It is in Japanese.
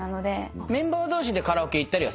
メンバー同士でカラオケ行ったりはするの？